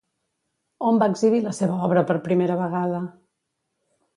On va exhibir la seva obra per primera vegada?